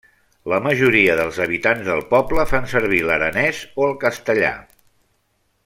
La majoria dels habitants del poble fan servir l'Aranès o el Castellà.